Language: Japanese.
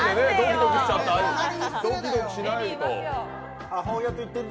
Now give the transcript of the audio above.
ドキドキしないと。